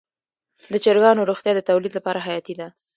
د چرګانو روغتیا د تولید لپاره حیاتي ده.